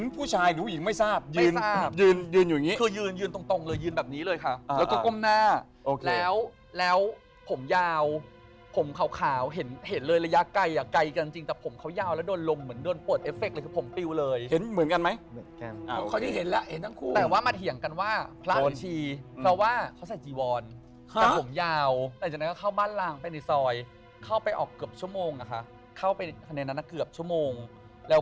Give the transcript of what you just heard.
ผู้ชายหรือผู้หญิงครับคุณเห็นไหมไปสองคนไปกันเยอะค่ะอันนั้นคือ